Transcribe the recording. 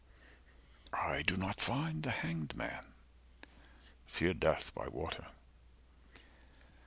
I do not find The Hanged Man. Fear death by water.